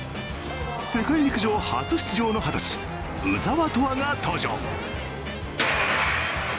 世界陸上初出場の二十歳、鵜澤飛羽が登場。